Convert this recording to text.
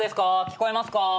聞こえますか？